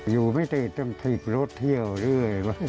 อยู่ไม่ติดต้องถีบรถเที่ยวเรื่อย